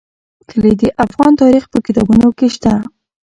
کلي د افغان تاریخ په کتابونو کې شته.